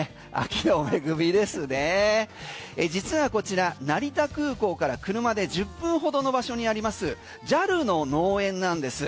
こちら成田空港から車で１０分ほどの場所にありますＪＡＬの農園なんです。